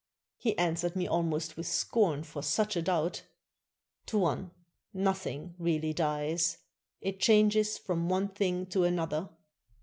He answered me almost with scorn for such a doubt. "Tuan, nothing really dies, it changes from one thing to another.